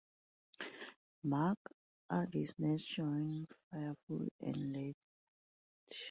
Mark Andes next joined Firefall and, later, Heart.